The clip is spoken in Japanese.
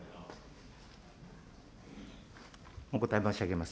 お答え申し上げます。